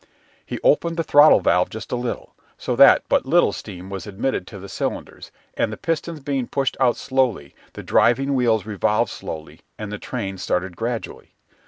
He opened the throttle valve just a little, so that but little steam was admitted to the cylinders, and the pistons being pushed out slowly, the driving wheels revolved slowly and the train started gradually.